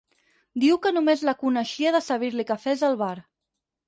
Diu que només la coneixia de servir-li cafès al bar.